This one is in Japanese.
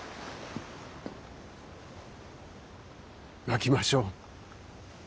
泣きましょう。